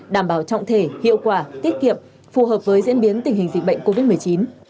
đảm bảo trọng thể hiệu quả tiết kiệm phù hợp với diễn biến tình hình dịch bệnh covid một mươi chín